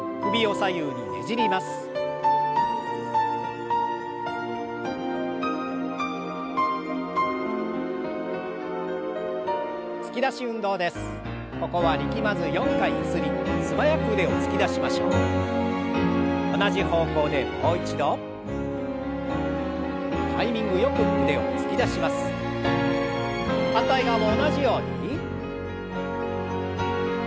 反対側も同じように。